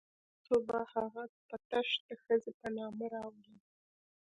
تاسو به هغه په تش د ښځې په نامه راولئ.